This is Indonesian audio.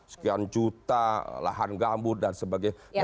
sekian juta lahan gambut dan sebagainya